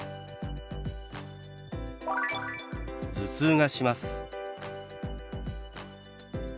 「頭痛がします」。